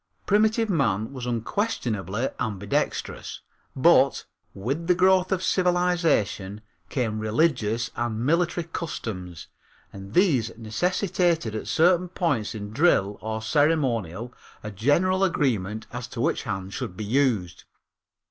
Primitive man was unquestionably ambidextrous, but, with the growth of civilization, came religious and military customs and these necessitated at certain points in drill or ceremonial a general agreement as to which hand should be used.